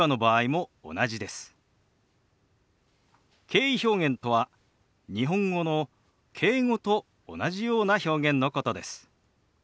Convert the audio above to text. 敬意表現とは日本語の「敬語」と同じような表現のことです。